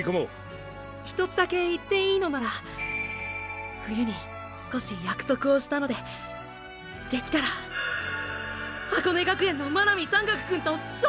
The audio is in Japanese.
ひとつだけ言っていいのなら冬に少し約束をしたのでできたら箱根学園の真波山岳くんと勝負がしたいです！！